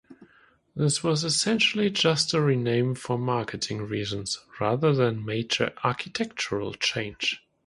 This was essentially just a rename for marketing reasons, rather than major architectural change.